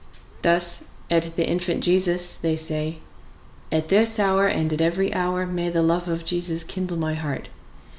Thus at The Infant Jesus they say, "At this hour and at every hour may the love of Jesus kindle my heart!"